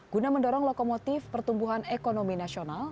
guna mendorong lokomotif pertumbuhan ekonomi nasional